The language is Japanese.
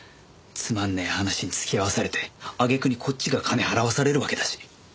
つまんねえ話に付き合わされて揚げ句にこっちが金払わされるわけだし。